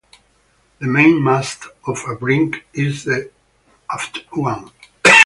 The main mast of a brig is the aft one.